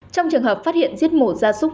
trong trường hợp phát hiện diết mổ ra súc